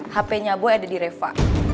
hape nya boy ada di reva